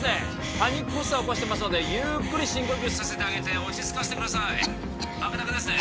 パニック発作を起こしてますのでゆっくり深呼吸させてあげて落ち着かせてください赤タグですね